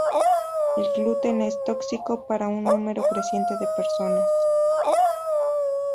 El gluten es tóxico para un número creciente de personas.